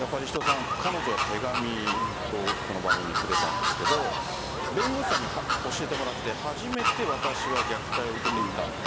彼女は手紙をこの番組にくれたんですが弁護士さんに教えてもらって初めて私は虐待を受けていたんだ。